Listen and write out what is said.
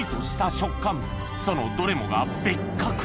そのどれもが別格